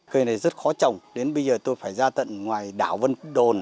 cây này rất khó trồng đến bây giờ tôi phải ra tận ngoài đảo vân đồn